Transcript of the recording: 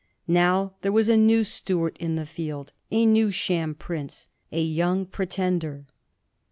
Now there was a new Stuart in the field, a new sham prince, a " Young Pretender."